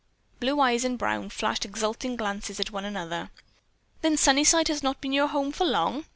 Blue eyes and brown flashed exulting glances at one another. "Then Sunnyside has not been your home for long?"